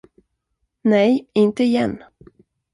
Nej, inte igen.